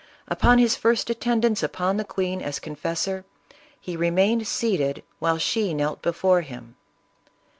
Upon his first attend ance upon the queen as confessor, he remained seated while she knelt before him.